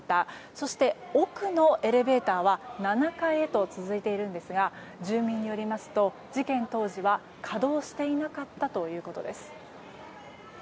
そして、奥のエレベーターは７階へと続いているんですが住民によりますと事件当時は稼働していなかったということです。